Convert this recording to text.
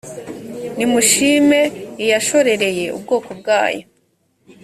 nimushime iyashorereye ubwoko bwayo